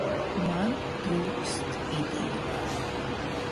Man trūkst ideju.